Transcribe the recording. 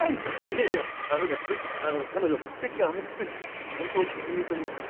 いやいやあのねこいつあの彼女国籍がアメリカでして単刀直入といいますか。